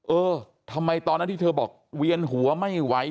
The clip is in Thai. เออทำไมตอนนั้นที่เธอบอกเวียนหัวไม่ไหว